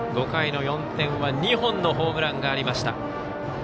５回の４点は２本のホームランがありました。